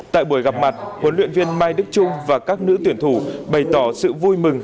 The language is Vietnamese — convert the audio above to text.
tại buổi gặp mặt huấn luyện viên mai đức trung và các nữ tuyển thủ bày tỏ sự vui mừng